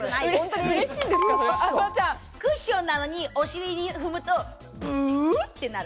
クッションなのにお尻で踏むとブってなる。